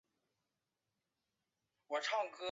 严格专制的校风与机械式的学习方式令他难以忍受。